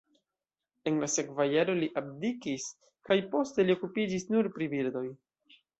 En la sekva jaro li abdikis kaj poste li okupiĝis nur pri birdoj.